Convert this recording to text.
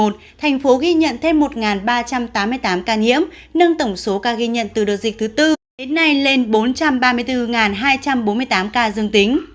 thành phố ghi nhận thêm một ba trăm tám mươi tám ca nhiễm nâng tổng số ca ghi nhận từ đợt dịch thứ tư đến nay lên bốn trăm ba mươi bốn hai trăm bốn mươi tám ca dương tính